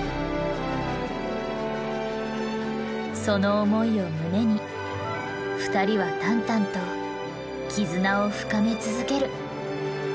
その思いを胸に二人はタンタンと絆を深め続ける。